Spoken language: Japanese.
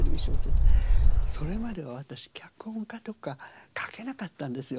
それまでは私「脚本家」とか書けなかったんですよ